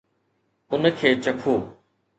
ان کي چکو